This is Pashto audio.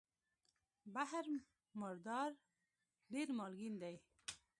بحر مردار ډېر مالګین دی.